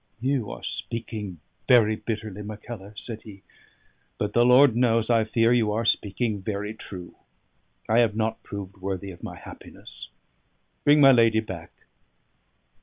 "You are speaking very bitterly, Mackellar," said he; "but, the Lord knows, I fear you are speaking very true. I have not proved worthy of my happiness. Bring my lady back."